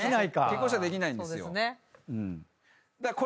結婚したらできないんですよ。